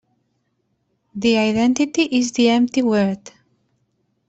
The identity is the empty word.